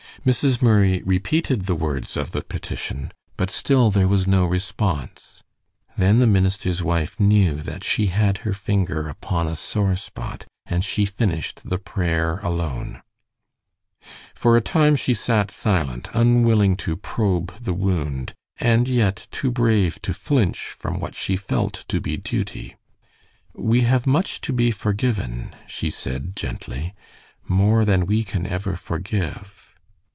Mrs. Murray repeated the words of the petition, but still there was no response. Then the minister's wife knew that she had her finger upon a sore spot, and she finished the prayer alone. For a time she sat silent, unwilling to probe the wound, and yet too brave to flinch from what she felt to be duty. "We have much to be forgiven," she said, gently. "More than we can ever forgive."